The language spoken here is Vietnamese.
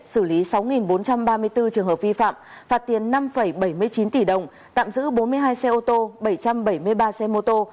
xử lý sáu bốn trăm ba mươi bốn trường hợp vi phạm phạt tiền năm bảy mươi chín tỷ đồng tạm giữ bốn mươi hai xe ô tô bảy trăm bảy mươi ba xe mô tô